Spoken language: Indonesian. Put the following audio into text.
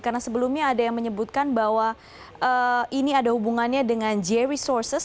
karena sebelumnya ada yang menyebutkan bahwa ini ada hubungannya dengan j resources